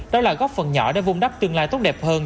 đó là góp phần nhỏ để vung đắp tương lai tốt đẹp hơn